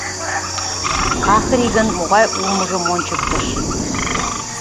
Кӓхри гын могай улмыжым ончыктыш.